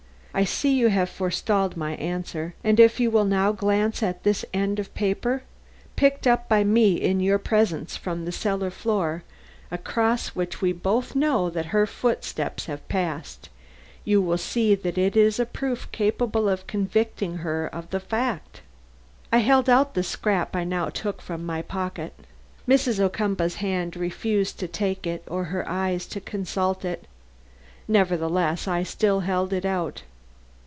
I see you have forestalled my answer; and if you will now glance at this end of paper, picked up by me in your presence from the cellar floor across which we both know that her footsteps have passed, you will see that it is a proof capable of convicting her of the fact." I held out the scrap I now took from my pocket. Mrs. Ocumpaugh's hand refused to take it or her eyes to consult it. Nevertheless I still held it out.